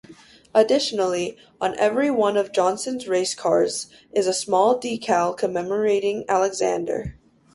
Additionally, on every one of Johnson's race cars is a small decal commemorating Alexander.